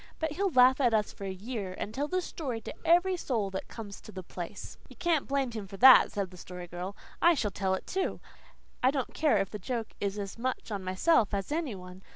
"But he'll laugh at us for a year, and tell the story to every soul that comes to the place." "You can't blame him for that," said the Story Girl. "I shall tell it, too. I don't care if the joke is as much on myself as any one.